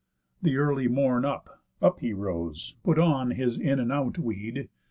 The early Morn up, up he rose, put on His in and out weed.